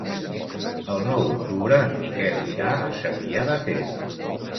El nou d'octubre en Miquel irà a Cervià de Ter.